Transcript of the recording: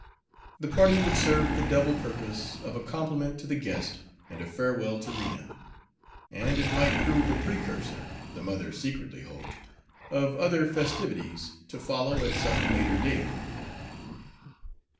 The party would serve the double purpose of a compliment to the guest and a farewell to Rena, and it might prove the precursor, the mother secretly hoped, of other festivities to follow at some later date.